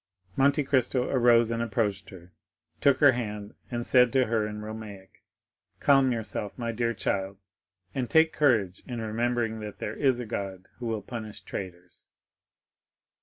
Monte Cristo arose and approached her, took her hand, and said to her in Romaic: "Calm yourself, my dear child, and take courage in remembering that there is a God who will punish traitors."